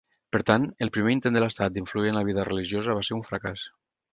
Per tant, el primer intent de l'estat d'influir en la vida religiosa va ser un fracàs.